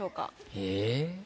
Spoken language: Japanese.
えっ？